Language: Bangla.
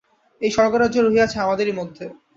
এই স্বর্গরাজ্য রহিয়াছে আমাদেরই মধ্যে।